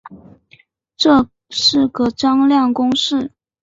这是个张量公式。